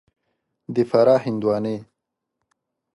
د فراه هندوانې